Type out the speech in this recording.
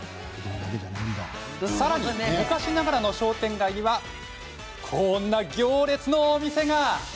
さらに昔ながらの商店街にはこんな行列のお店が。